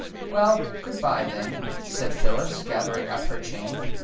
'' Well, good bye, then," said Phyllis, gath ering up her chain.